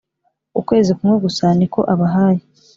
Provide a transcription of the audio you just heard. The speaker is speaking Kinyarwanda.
ukwezi kumwe gusa niko abahaye